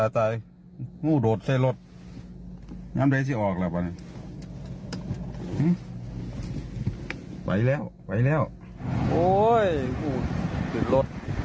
เต็มที่รถให้ลด